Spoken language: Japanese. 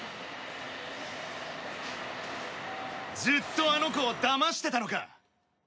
ずっとあの子をだましてたのか！